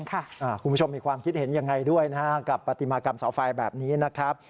แต่ชาวบ้านของเรามีความสุขกับมัน